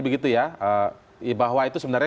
begitu ya bahwa itu sebenarnya